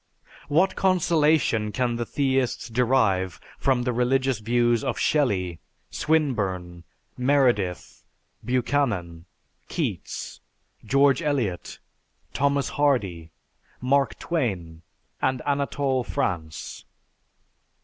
What consolation can the theists derive from the religious views of Shelley, Swinburne, Meredith, Buchanan, Keats, George Eliot, Thomas Hardy, Mark Twain, and Anatole France?